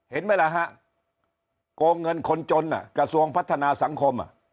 เห็นไหมล่ะฮะโกงเงินคนจนกระทรวงพัฒนาสังคม